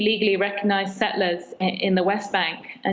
enam ratus penyeludupan secara secara secara ilah di bank barat